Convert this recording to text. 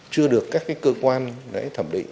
chưa được các cơ quan thẩm định